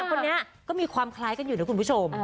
คนนี้ก็มีความคล้ายกันอยู่นะคุณผู้ชม